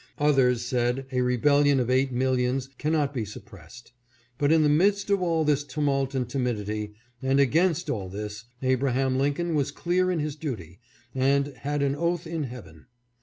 Others said a rebellion of eight millions cannot be suppressed. But in the midst of all this tumult and timidity, and against all this, Abraham Lincoln was clear in his duty, and had an oath in heaven.